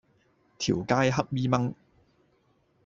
條街黑咪蚊